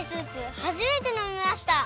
はじめてのみました！